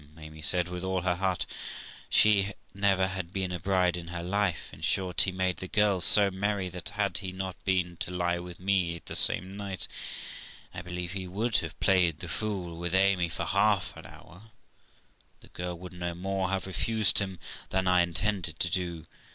Amy said, with all her heart ; she never had been a bride in her life. In short, he made the girl so merry that, had he not been to lie with me the same night, I believe he would have played the fool with Amy for half an hour, and the girl would no more have refused him than I intended to do.